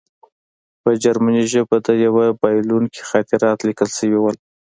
په جرمني ژبه د یوه بایلونکي خاطرات لیکل شوي وو